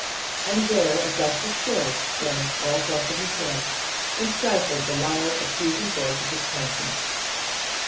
And there Augustus Joyce banished all thoughts of his wife, and stifled the loud, accusing voice of his conscience.